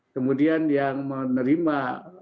kemudian yang menerima